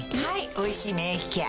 「おいしい免疫ケア」